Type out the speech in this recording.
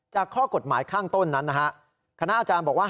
ข้อกฎหมายข้างต้นนั้นนะฮะคณะอาจารย์บอกว่า